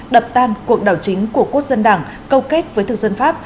đập tan cuộc đảo chính của quốc dân đảng câu kết với thực dân pháp